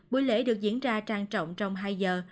buổi lễ được diễn ra trang trọng trong hai giờ